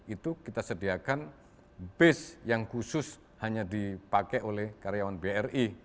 itu kita sediakan base yang khusus hanya dipakai oleh karyawan bri